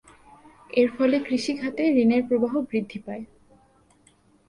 এর ফলে কৃষিখাতে ঋণের প্রবাহ বৃদ্ধি পায়।